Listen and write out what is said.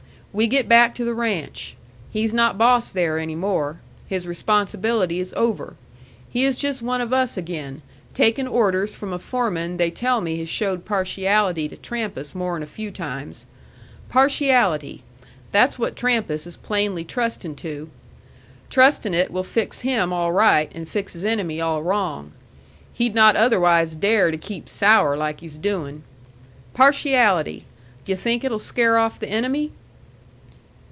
We get back to the ranch. He's not boss there any more. His responsibility is over. He is just one of us again, taking orders from a foreman they tell me has showed partiality to Trampas more'n a few times. Partiality! That's what Trampas is plainly trusting to. Trusting it will fix him all right and fix his enemy all wrong. He'd not otherwise dare to keep sour like he's doing. Partiality! D' yu' think it'll scare off the enemy?"